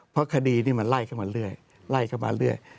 เพราะคดีนี้มันไล่เข้ามาเรื่อยไล่เข้ามาเรื่อย